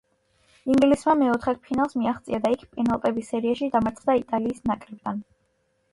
ინგლისმა მეოთხედფინალს მიაღწია და იქ პენალტების სერიაში დამარცხდა იტალიის ნაკრებთან.